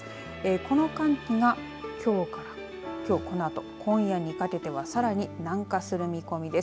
この寒気がきょうこのあと今夜にかけてはさらに南下する見込みです。